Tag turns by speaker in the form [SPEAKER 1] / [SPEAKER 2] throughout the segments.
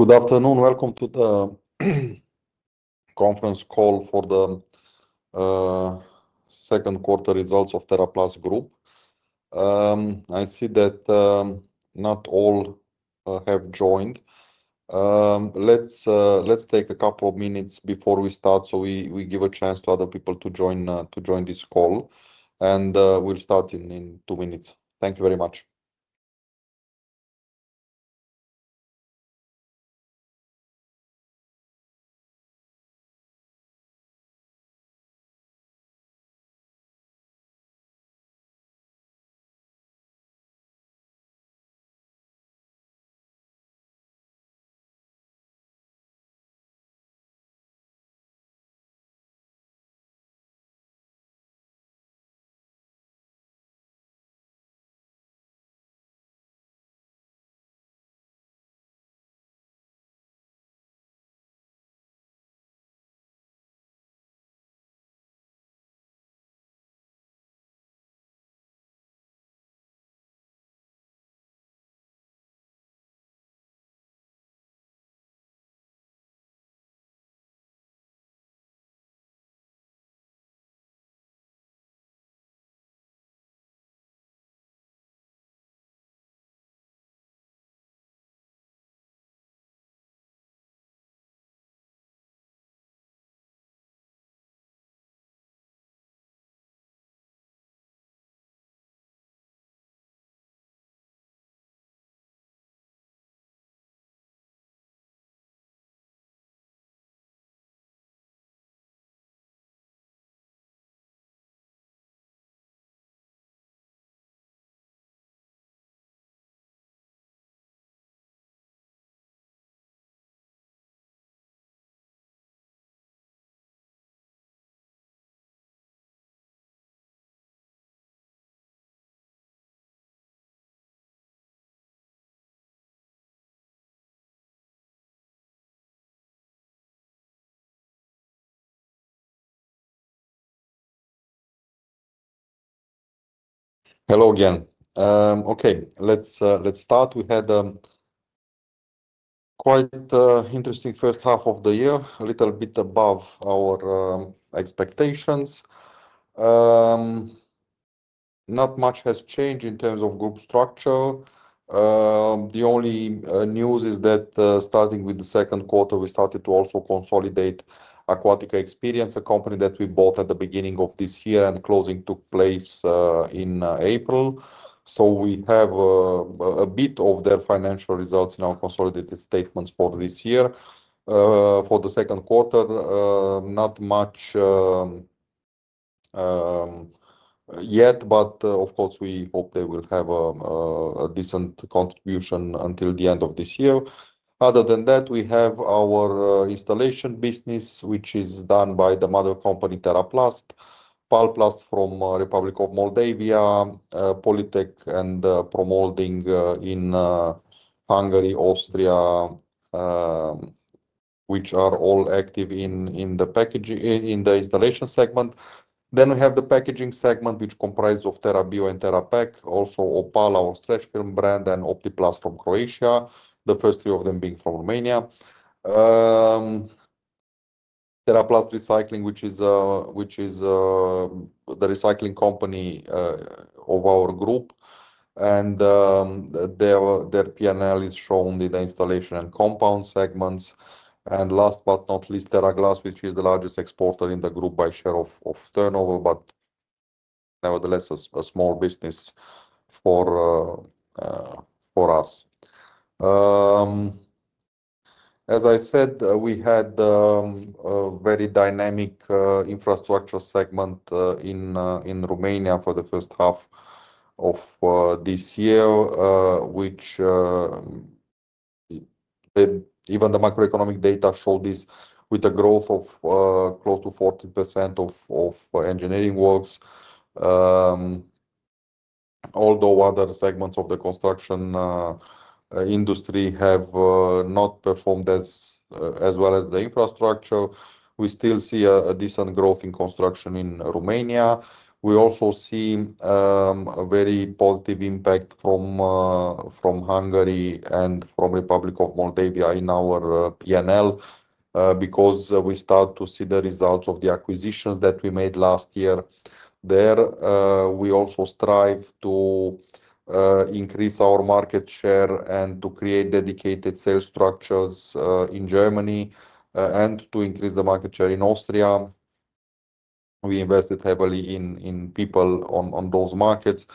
[SPEAKER 1] Good afternoon. Welcome to the Conference Call for the Second Quarter Results of TeraPlast Group. I see that not all have joined. Let's take a couple of minutes before we start to give a chance to other people to join this call. We'll start in two minutes. Thank you very much. Hello, again. Okay. Let's start. We had quite an interesting first half of the year, a little bit above our expectations. Not much has changed in terms of group structure. The only news is that starting with the second quarter, we started to also consolidate Aquatica Experience, a company that we bought at the beginning of this year, and closing took place in April. We have a bit of their financial results in our consolidated statements for this year. For the second quarter, not much yet, but of course, we hope they will have a decent contribution until the end of this year. Other than that, we have our installation business, which is done by the mother company, TeraPlast, Palplast from the Republic of Moldova, Polytech, and Pro-Moulding in Hungary, Austria, which are all active in the installation segment. Then we have the packaging segment, which comprises TeraBio Pack, also Opal stretch film brand, and Optiplast from Croatia, the first three of them being from Romania. TeraPlast Recycling, which is the recycling company of our group, and their P&L is shown in the installation and compound segments. Last but not least, TeraGlass, which is the largest exporter in the group by share of turnover, but nevertheless, a small business for us. As I said, we had a very dynamic infrastructure segment in Romania for the first half of this year, which even the macroeconomic data showed this with a growth of close to 14% of engineering works. Although other segments of the construction industry have not performed as well as the infrastructure, we still see a decent growth in construction in Romania. We also see a very positive impact from Hungary and from the Republic of Moldova in our P&L because we start to see the results of the acquisitions that we made last year there. We also strive to increase our market share and to create dedicated sales structures in Germany and to increase the market share in Austria. We invested heavily in people on those markets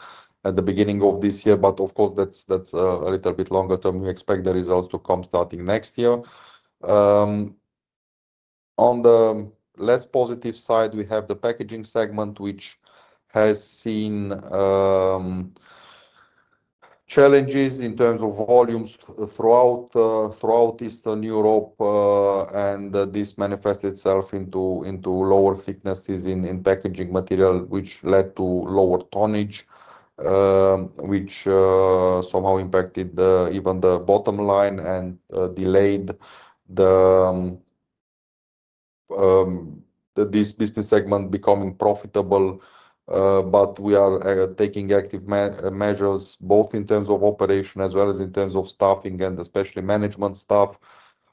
[SPEAKER 1] at the beginning of this year. Of course, that's a little bit longer term. We expect the results to come starting next year. On the less positive side, we have the packaging segment, which has seen challenges in terms of volumes throughout Eastern Europe. This manifests itself into lower thicknesses in packaging material, which led to lower tonnage, which somehow impacted even the bottom line and delayed this business segment becoming profitable. We are taking active measures both in terms of operation as well as in terms of staffing and especially management staff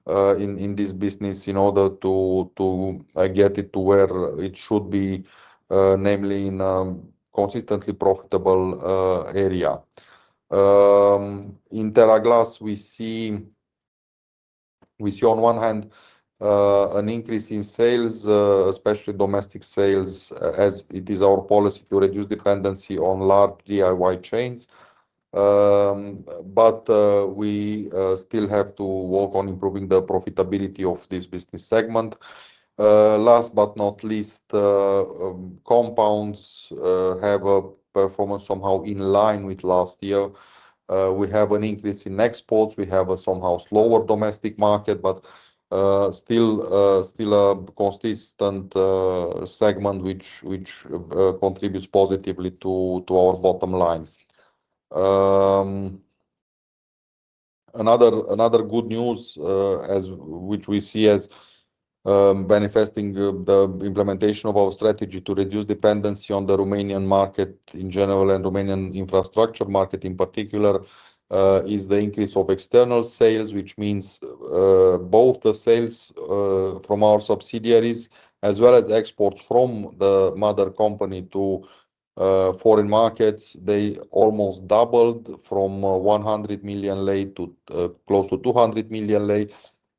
[SPEAKER 1] in this business in order to get it to where it should be, namely in a consistently profitable area. In TeraGlass, we see, on one hand, an increase in sales, especially domestic sales, as it is our policy to reduce dependency on large DIY chains. We still have to work on improving the profitability of this business segment. Last but not least, compounds have a performance somehow in line with last year. We have an increase in exports. We have a somehow slower domestic market, but still a consistent segment which contributes positively to our bottom line. Another good news, which we see as manifesting the implementation of our strategy to reduce dependency on the Romanian market in general and Romanian infrastructure market in particular, is the increase of external sales, which means both the sales from our subsidiaries as well as exports from the mother company to foreign markets. They almost doubled from RON 100 million to close to RON 200 million,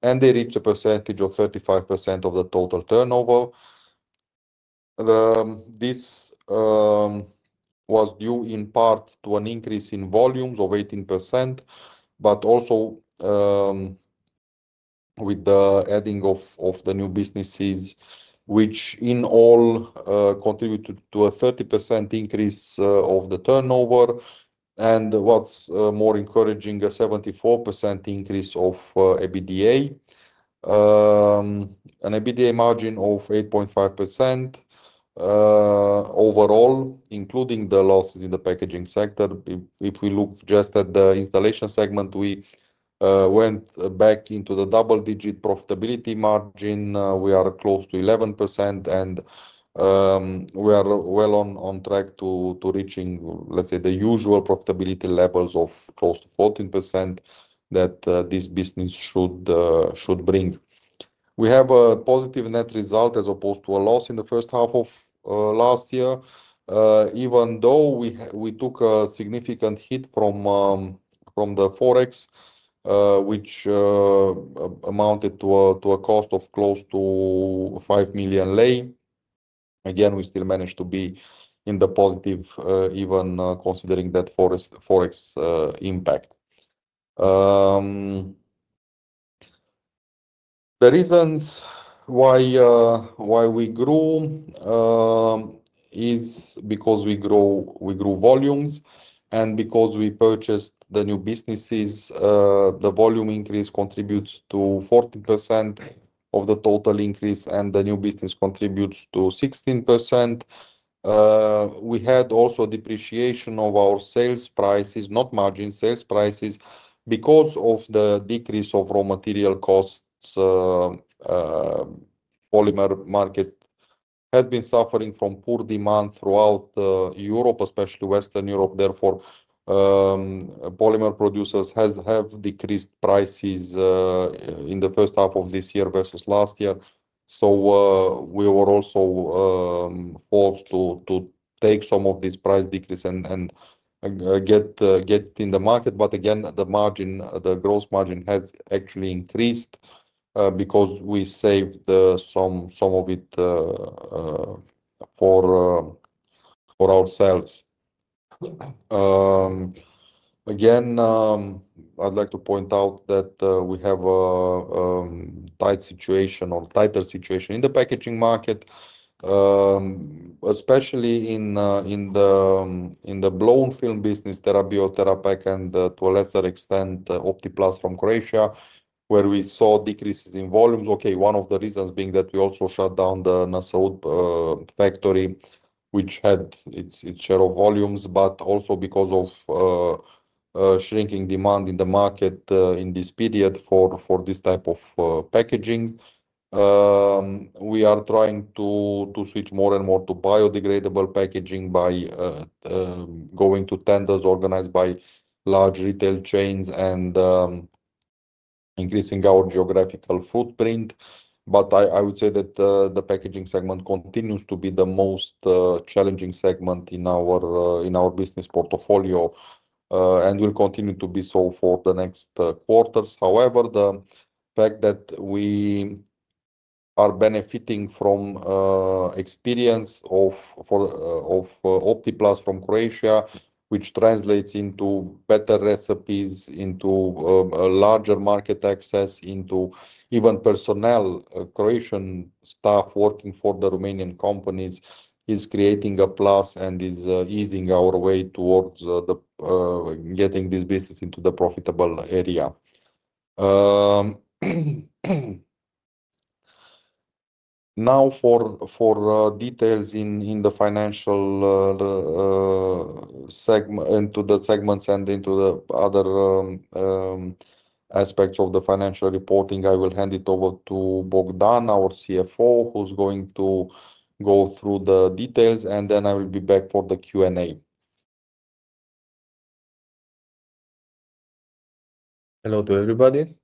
[SPEAKER 1] and they reach a percentage of 35% of the total turnover. This was due in part to an increase in volumes of 18%, but also with the adding of the new businesses, which in all contributed to a 30% increase of the turnover. What's more encouraging, a 74% increase of EBITDA, an EBITDA margin of 8.5% overall, including the losses in the packaging sector. If we look just at the installation segment, we went back into the double-digit profitability margin. We are close to 11%, and we are well on track to reaching, let's say, the usual profitability levels of close to 14% that this business should bring. We have a positive net result as opposed to a loss in the first half of last year, even though we took a significant hit from the forex, which amounted to a cost of close to RON 5 million. We still managed to be in the positive, even considering that forex impact. The reasons why we grew is because we grew volumes and because we purchased the new businesses. The volume increase contributes to 14% of the total increase, and the new business contributes to 16%. We had also a depreciation of our sales prices, not margins, sales prices, because of the decrease of raw material costs. The polymer market had been suffering from poor demand throughout Europe, especially Western Europe. Therefore, polymer producers have decreased prices in the first half of this year versus last year. We were also forced to take some of this price decrease and get it in the market. Again, the gross margin has actually increased because we saved some of it for ourselves. I would like to point out that we have a tighter situation in the packaging market, especially in the blown film business, TeraBio Pack, and to a lesser extent, Optiplast from Croatia, where we saw decreases in volumes. One of the reasons being that we also shut down the Năsăud factory, which had its share of volumes, but also because of shrinking demand in the market in this period for this type of packaging. We are trying to switch more and more to biodegradable packaging by going to tenders organized by large retail chains and increasing our geographical footprint. I would say that the packaging segment continues to be the most challenging segment in our business portfolio, and will continue to be so for the next quarters. However, the fact that we are benefiting from the experience of Optiplast from Croatia, which translates into better recipes, into a larger market access, into even personnel, Croatian staff working for the Romanian companies, is creating a plus and is easing our way towards getting this business into the profitable area. Now, for details in the financial segment and into the other aspects of the financial reporting, I will hand it over to Bogdan, our CFO, who's going to go through the details, and then I will be back for the Q&A.
[SPEAKER 2] Hello to everybody.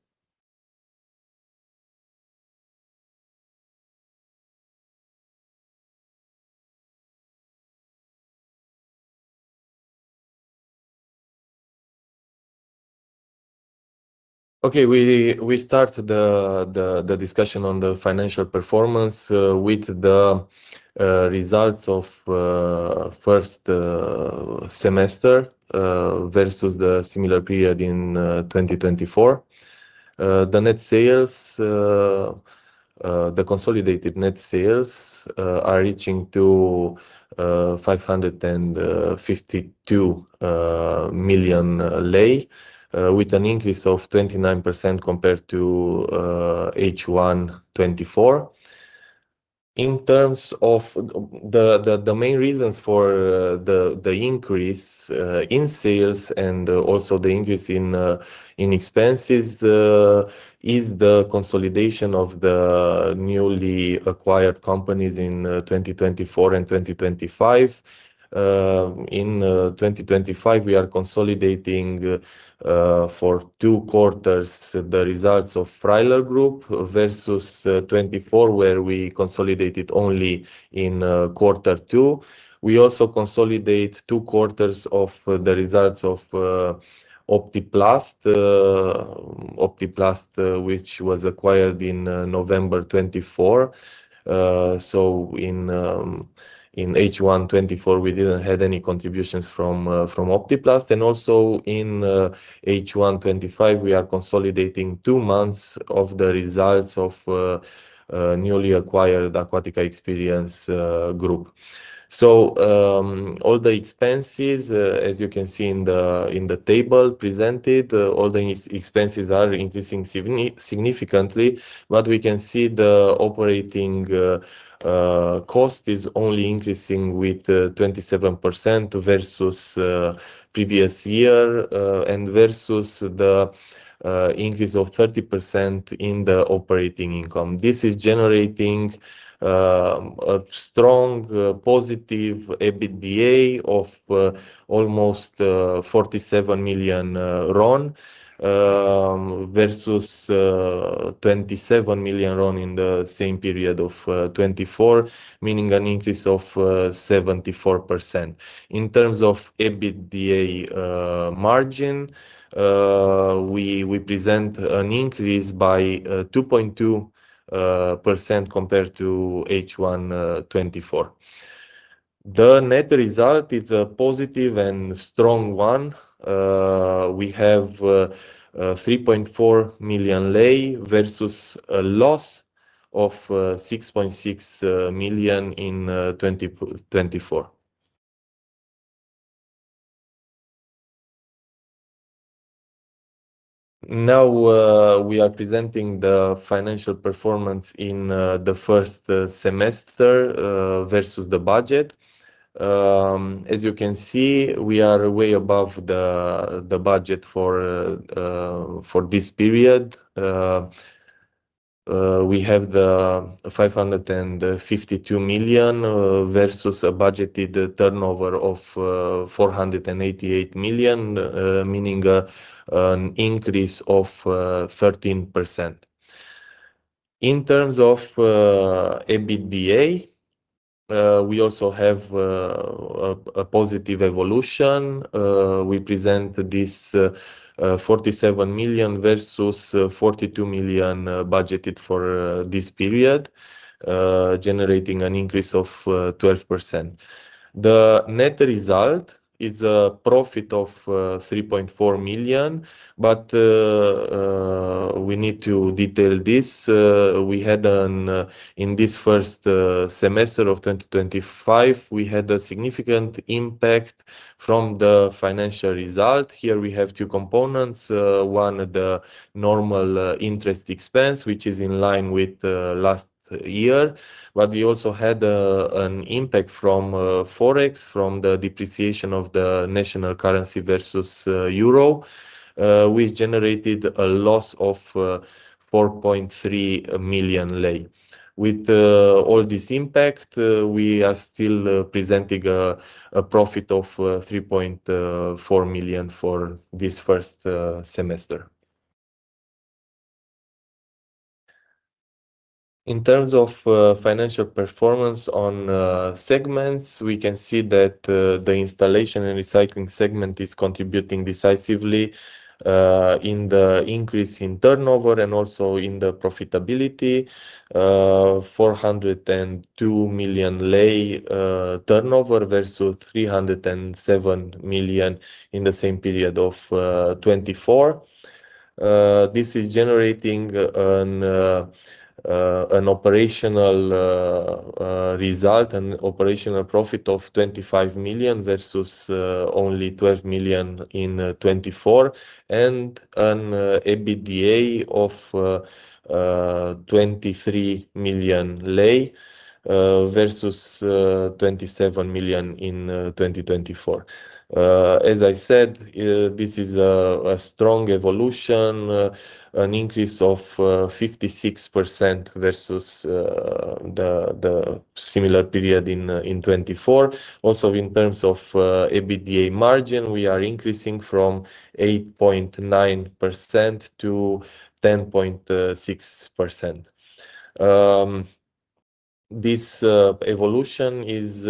[SPEAKER 2] Okay. We started the discussion on the financial performance with the results of the first semester versus the similar period in 2024. The net sales, the consolidated net sales, are reaching RON 552 million with an increase of 29% compared to H1 2024. In terms of the main reasons for the increase in sales and also the increase in expenses is the consolidation of the newly acquired companies in 2024 and 2025. In 2025, we are consolidating for two quarters the results of Freiler Group versus 2024, where we consolidated only in quarter two. We also consolidate two quarters of the results of Optiplast, which was acquired in November 2024. In H1 2024, we didn't have any contributions from Optiplast. In H1 2025, we are consolidating two months of the results of newly acquired Aquatica Experience Group. All the expenses, as you can see in the table presented, all the expenses are increasing significantly, but we can see the operating cost is only increasing with 27% versus the previous year and versus the increase of 30% in the operating income. This is generating a strong positive EBITDA of almost RON 47 million versus RON 27 million in the same period of 2024, meaning an increase of 74%. In terms of EBITDA margin, we present an increase by 2.2% compared to H1 2024. The net result is a positive and strong one. We have RON 3.4 million versus a loss of RON 6.6 million in 2024. Now, we are presenting the financial performance in the first semester versus the budget. As you can see, we are way above the budget for this period. We have the RON 552 million versus a budgeted turnover of RON 488 million, meaning an increase of 13%. In terms of EBITDA, we also have a positive evolution. We present this RON 47 million versus RON 42 million budgeted for this period, generating an increase of 12%. The net result is a profit of RON 3.4 million, but we need to detail this. We had in this first semester of 2025, we had a significant impact from the financial result. Here, we have two components. One, the normal interest expense, which is in line with last year, but we also had an impact from forex, from the depreciation of the national currency versus euro, which generated a loss of RON 4.3 million. With all this impact, we are still presenting a profit of RON 3.4 million for this first semester. In terms of financial performance on segments, we can see that the installation and recycling segment is contributing decisively in the increase in turnover and also in the profitability. RON 402 million turnover versus RON 307 million in the same period of 2024. This is generating an operational result, an operational profit of RON 25 million versus only RON 12 million in 2024, and an EBITDA of RON 23 million versus RON 27 million in 2024. As I said, this is a strong evolution, an increase of 56% versus the similar period in 2024. Also, in terms of EBITDA margin, we are increasing from 8.9% to 10.6%. This evolution is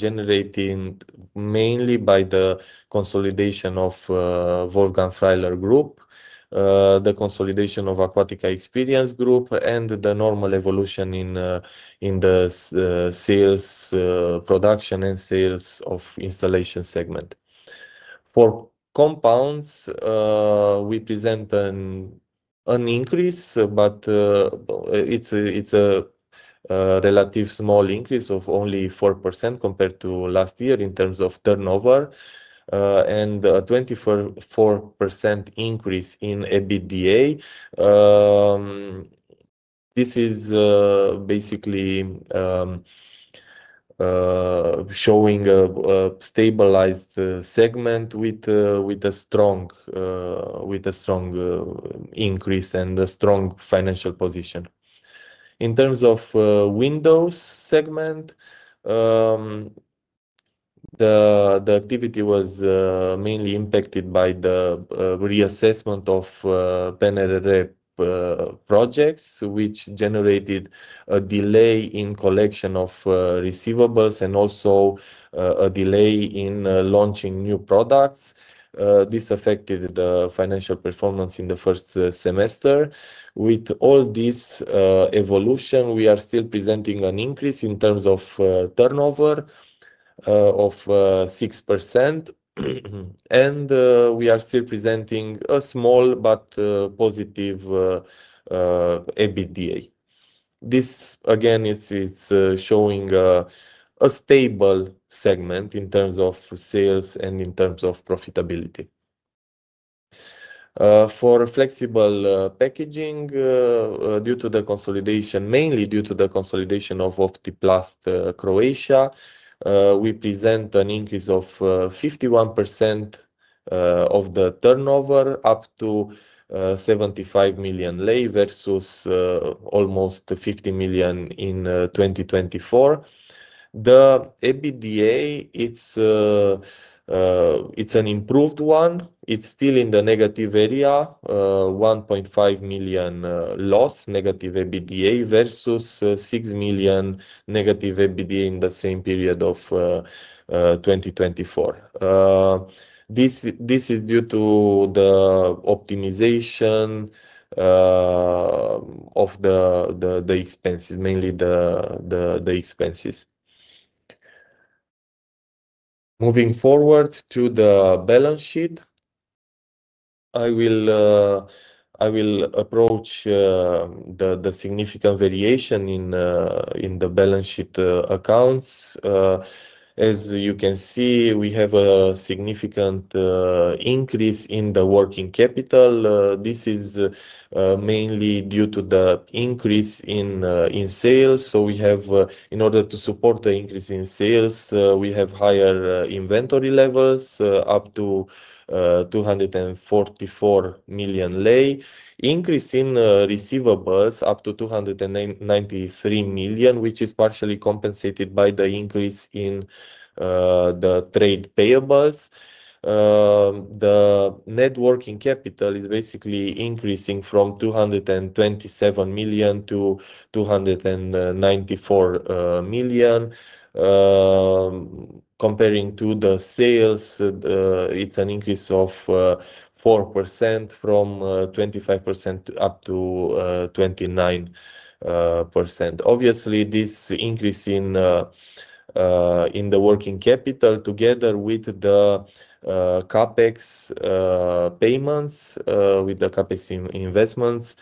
[SPEAKER 2] generated mainly by the consolidation of Wolfgang Freiler Group, the consolidation of Aquatica Experience Group, and the normal evolution in the production and sales of the installation segment. For compounds, we present an increase, but it's a relatively small increase of only 4% compared to last year in terms of turnover and a 24% increase in EBITDA. This is basically showing a stabilized segment with a strong increase and a strong financial position. In terms of the windows segment, the activity was mainly impacted by the reassessment of projects, which generated a delay in collection of receivables and also a delay in launching new products. This affected the financial performance in the first semester. With all this evolution, we are still presenting an increase in terms of turnover of 6%, and we are still presenting a small but positive EBITDA. This, again, is showing a stable segment in terms of sales and in terms of profitability. For flexible packaging, mainly due to the consolidation of Optiplast Croatia, we present an increase of 51% of the turnover up to RON 75 million versus almost RON 50 million in 2024. The EBITDA, it's an improved one. It's still in the negative area, RON 1.5 million loss, negative EBITDA versus RON 6 million negative EBITDA in the same period of 2024. This is due to the optimization of the expenses, mainly the expenses. Moving forward to the balance sheet, I will approach the significant variation in the balance sheet accounts. As you can see, we have a significant increase in the working capital. This is mainly due to the increase in sales. In order to support the increase in sales, we have higher inventory levels up to RON 244 million, increase in receivables up to RON 293 million, which is partially compensated by the increase in the trade payables. The net working capital is basically increasing from RON 227 million to RON 294 million. Comparing to the sales, it's an increase of 4% from 25% up to 29%. Obviously, this increase in the working capital, together with the CapEx payments, with the CapEx investments,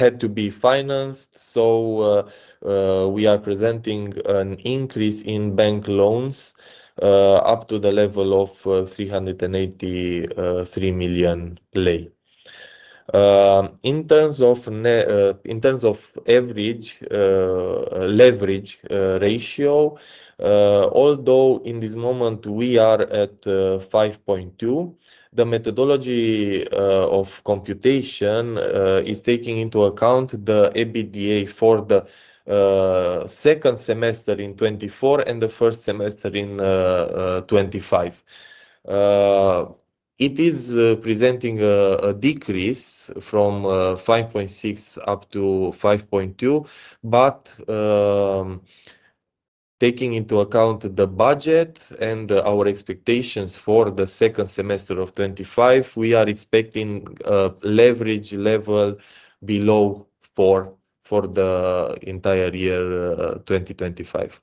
[SPEAKER 2] had to be financed. We are presenting an increase in bank loans up to the level of RON 383 million. In terms of average ratio, although in this moment we are at 5.2, the methodology of computation is taking into account the EBITDA for the second semester in 2024 and the first semester in 2025. It is presenting a decrease from 5.6 up to 5.2, but taking into account the budget and our expectations for the second semester of 2025, we are expecting leverage level below four for the entire year 2025.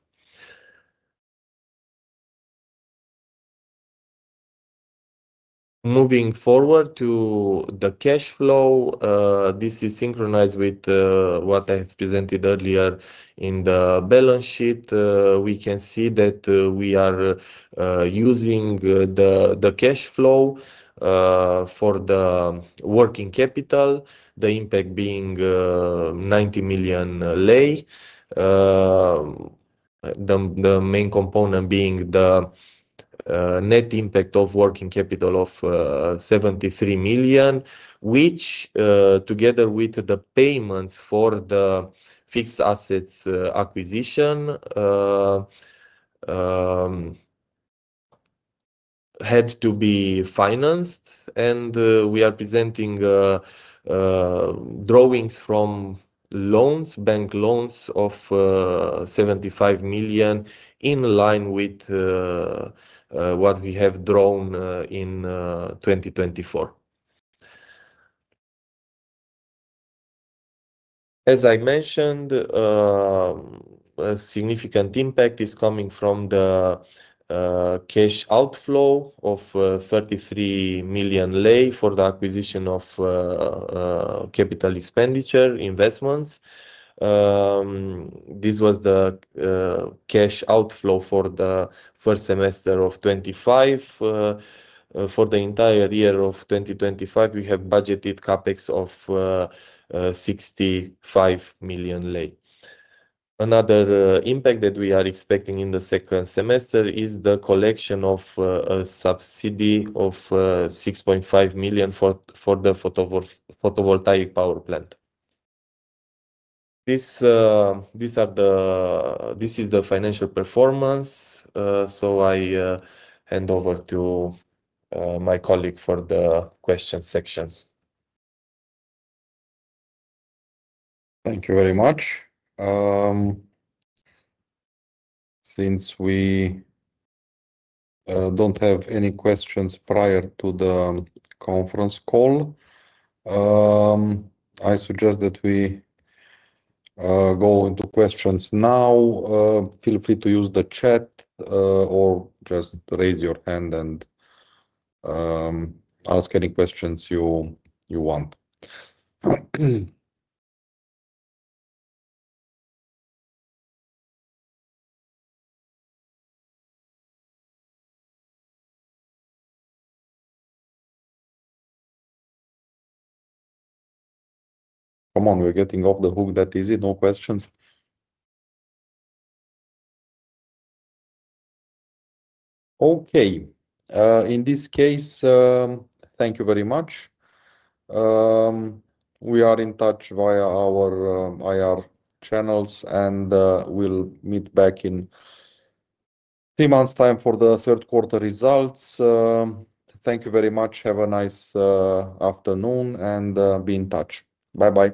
[SPEAKER 2] Moving forward to the cash flow, this is synchronized with what I have presented earlier in the balance sheet. We can see that we are using the cash flow for the working capital, the impact being RON 90 million, the main component being the net impact of working capital of RON 73 million, which together with the payments for the fixed assets acquisition had to be financed. We are presenting drawings from loans, bank loans of RON 75 million in line with what we have drawn in 2024. As I mentioned, a significant impact is coming from the cash outflow of RON 33 million for the acquisition of capital expenditure investments. This was the cash outflow for the first semester of 2025. For the entire year of 2025, we have budgeted CapEx of RON 65 million. Another impact that we are expecting in the second semester is the collection of a subsidy of RON 6.5 million for the photovoltaic power plant. This is the financial performance. I hand over to my colleague for the question sections.
[SPEAKER 1] Thank you very much. Since we don't have any questions prior to the conference call, I suggest that we go into questions now. Feel free to use the chat or just raise your hand and ask any questions you want. We're getting off the hook that easy. No questions. Okay. In this case, thank you very much. We are in touch via our IR channels, and we'll meet back in three months' time for the third quarter results. Thank you very much. Have a nice afternoon and be in touch. Bye-bye.